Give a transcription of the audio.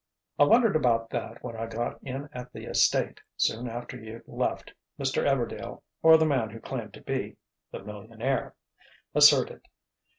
"I wondered about that when I got in at the estate, soon after you'd left," Mr. Everdail—or the man who claimed to be the millionaire—asserted.